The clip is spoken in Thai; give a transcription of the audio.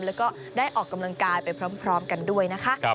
แล้วก็ได้ออกกำลังกายไปพร้อมกันด้วยนะคะ